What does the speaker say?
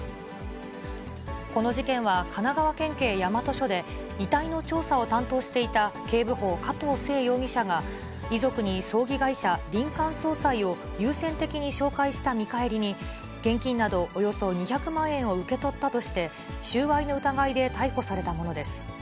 この事件は神奈川県警大和署で、遺体の調査を担当していた警部補、加藤聖容疑者が遺族に葬儀会社、林間葬祭を優先的に紹介した見返りに、現金などおよそ２００万円を受け取ったとして、収賄の疑いで逮捕されたものです。